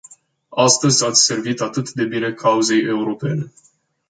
Astăzi ați servit atât de bine cauzei europene!